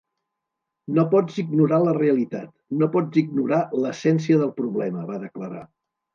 No pots ignorar la realitat, no pots ignorar l’essència del problema, va declarar.